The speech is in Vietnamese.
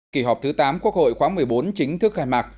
kỳ họp thứ tám quốc hội khóa một mươi bốn chính thức khai mạc